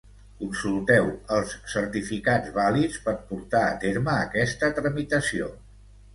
Consulteu els certificats vàlids per portar a terme aquesta tramitació.